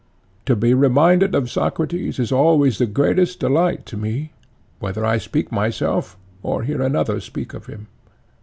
To be reminded of Socrates is always the greatest delight to me, whether I speak myself or hear another speak of him.